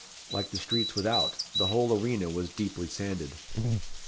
Like the streets without, the whole arena was deeply sanded.